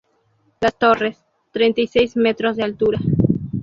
Las torres, treinta y seis metros de altura.